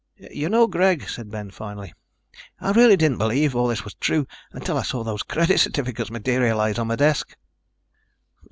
"You know, Greg," said Ben finally, "I really didn't believe all this was true until I saw those credit certificates materialize on my desk."